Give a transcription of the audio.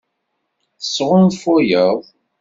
Tesɣunfuyeḍ.